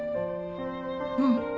うん。